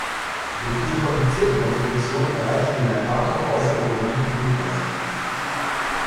Durch diese komplizierte Konstruktion erreichte die Mercator außergewöhnliche Flugleistungen.